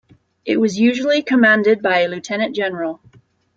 It was usually commanded by a lieutenant general.